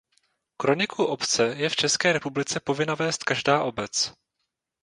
Kroniku obce je v České republice povinna vést každá obec.